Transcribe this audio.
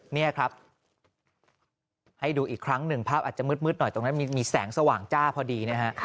นี่ครับให้ดูอีกครั้งหนึ่งภาพอาจจะมืดหน่อยตรงนั้นมีแสงสว่างจ้าพอดีนะฮะ